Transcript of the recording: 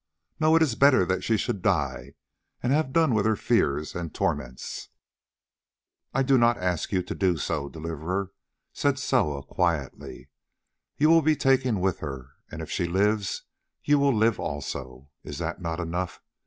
No, it is better that she should die and have done with her fears and torments." "I did not ask you to do so, Deliverer," said Soa quietly. "You will be taken with her, and if she lives you will live also. Is that not enough?